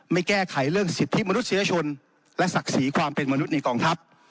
ไม่แก้ไขเรื่องสิทธิมนุษยชนและศักดิ์ศรีความเป็นมนุษย์ในกองทัพ